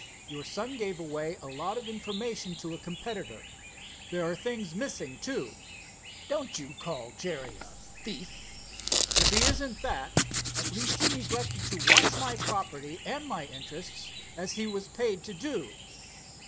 Your son gave away a lot of information to a competitor. There are things missing, too." "Don't you call Jerry a thief!" "If he isn't that, at least he neglected to watch my property and my interests as he was paid to do."